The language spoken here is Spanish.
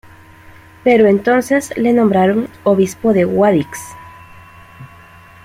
Pero entonces le nombraron obispo de Guadix.